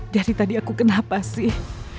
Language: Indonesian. dari tadi aku kenapa sih